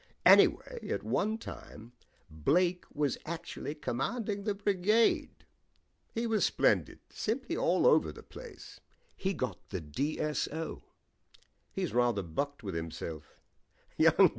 Anyway, at one time Blake was actually commanding the brigade. He was splendid; simply all over the place. He got the D.S.O. He's rather bucked with himself.